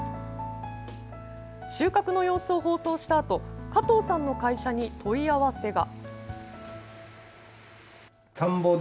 収穫の様子を放送したあと加藤さんの会社に問い合わせが。